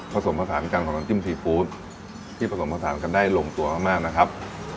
ผสมผสานกันของน้ำจิ้มซีฟู้ดที่ผสมผสานกันได้ลงตัวมากนะครับ